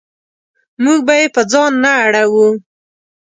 موږ به یې په ځان نه اړوو.